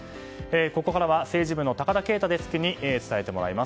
ここからは、政治部の高田圭太デスクに伝えてもらいます。